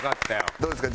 どうですか？